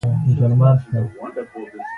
نړۍ د بېلا بېلو کلتورونو او ژبو ډکه ده.